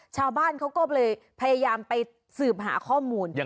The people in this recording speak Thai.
ชาวบ้านเขาก็เลยพยายามไปสืบหาข้อมูล